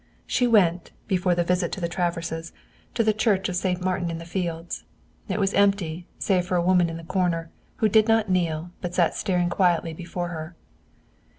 She went, before the visit to the Traverses, to the Church of Saint Martin in the Fields. It was empty, save for a woman in a corner, who did not kneel, but sat staring quietly before her.